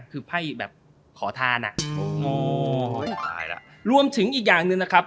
คือไพ่แบบขอทานะโอ้ยล้อมถึงอีกอย่างหนึ่งนะครับ